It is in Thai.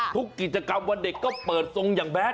ทุกกิจกรรมวันเด็กก็เปิดทรงอย่างแดด